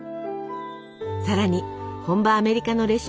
さらに本場アメリカのレシピを学び